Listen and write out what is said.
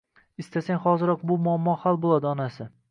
-Istasang, hoziroq bu muammo hal boʻladi onasi